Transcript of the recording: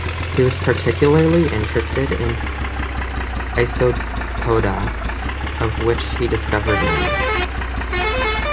He was particularly interested in isopoda, of which he discovered many.